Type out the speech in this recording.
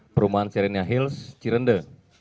perumahan serenia hills cirende